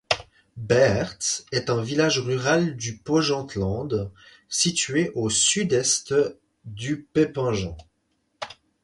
Beert est un village rural du Pajottenland, situé au sud-est de Pepingen.